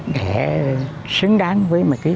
để xứng đáng với mấy cái